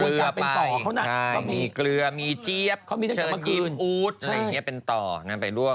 เกลือไปมีเกลือมีเจี๊ยบเชิญยิบอู๊ดอะไรอย่างนี้เป็นต่อไปร่วม